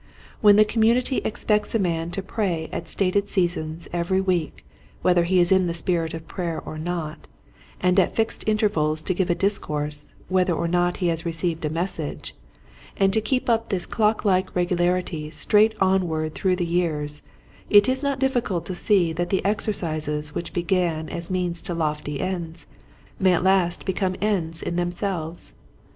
When the community expects a man to pray at stated seasons every week whether he is in the spirit of prayer or not, and at fixed intervals to give a discourse whether or not he has received a message, and to keep up this clock like regularity straight onward through the years it is not difficult to see that the ex ercises which began as means to lofty ends may at last become ends in themselves.